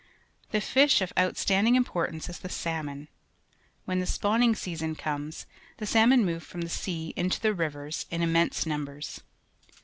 The fish of outstanding importance is the sahnon. AATien the spawning season comes, the sahno n move from the sea into the rivers in im mense numbers.